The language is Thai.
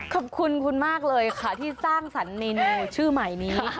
ขอบคุณคุณมากเลยค่ะที่สร้างสรรค์เมนูชื่อใหม่นี้